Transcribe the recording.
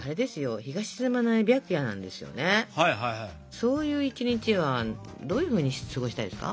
そういう一日はどういうふうに過ごしたいですか？